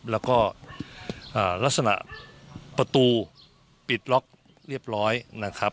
แล้วก็ลักษณะประตูปิดล็อกเรียบร้อยนะครับ